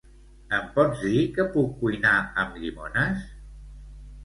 Em pots dir què puc cuinar amb llimones?